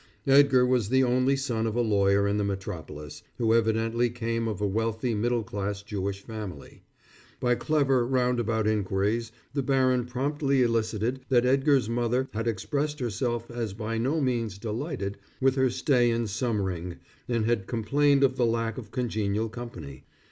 Edgar was the only son of a lawyer in the metropolis, who evidently came of a wealthy middle class Jewish family. By clever, roundabout inquiries the baron promptly elicited that Edgar's mother had expressed herself as by no means delighted with her stay in Summering and had complained of the lack of congenial company.